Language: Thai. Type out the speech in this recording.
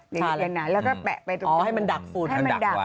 ใช่เลยนะแล้วก็แปะไปตรงกลุ่มให้มันดักไว้แล้วก็แปะไปตรงกลุ่ม